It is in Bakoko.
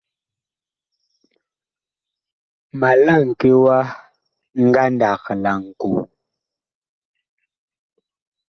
Ma laŋke wa ngandag laŋkoo.